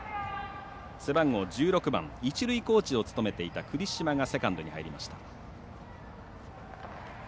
背番号１６番一塁コーチを務めていた栗島がセカンドに入りました。